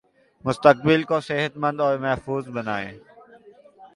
مستقبل کو صحت مند اور محفوظ بنائیں